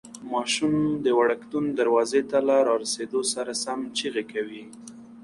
ماشوم د وړکتون دروازې ته له رارسېدو سره سم چیغې کوي.